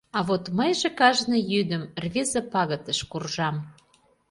А вот мыйже кажне йӱдым Рвезе пагытыш куржам…